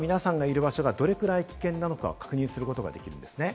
今皆さんがいる場所がどれくらい危険なのか確認することができます。